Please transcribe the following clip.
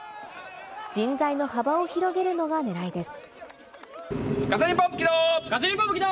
人材の幅を広げるのが狙いです。